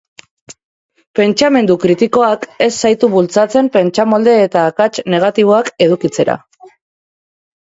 Pentsamendu kritikoak, ez zaitu bultzatzen pentsamolde eta akats negatiboak edukitzera.